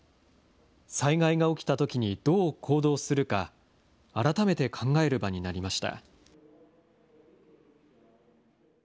災害が起きたときにどう行動するか、改めて考える場になりました。